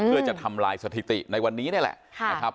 เพื่อจะทำลายสถิติในวันนี้นี่แหละนะครับ